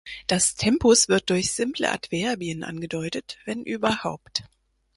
Das Tempus wird durch simple Adverbien angedeutet, wenn überhaupt.